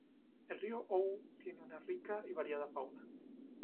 El Río Ou tiene una rica y variada fauna.